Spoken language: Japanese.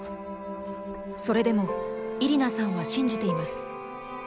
それでもイリナさんは信じています。